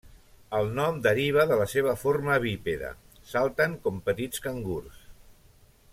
El nom deriva de la seva forma bípeda: salten com petits cangurs.